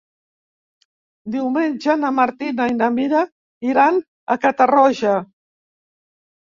Diumenge na Martina i na Mira iran a Catarroja.